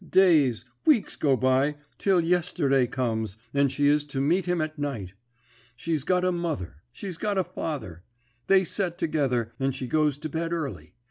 Days, weeks go by, till yesterday comes, and she is to meet him at night. She's got a mother, she's got a father; they set together, and she goes to bed early.